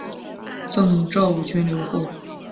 赠昭武军留后。